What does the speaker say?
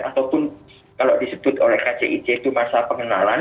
ataupun kalau disebut oleh kcic itu masa pengenalan